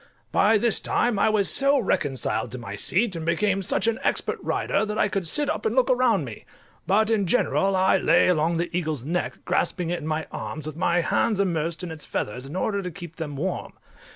By this time I was so reconciled to my seat, and become such an expert rider, that I could sit up and look around me; but in general I lay along the eagle's neck, grasping it in my arms, with my hands immersed in its feathers, in order to keep them warm.